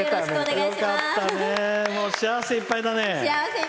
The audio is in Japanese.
幸せいっぱいだね。